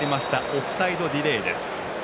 オフサイドディレイです。